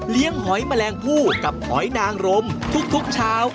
หอยแมลงผู้กับหอยนางรมทุกเช้า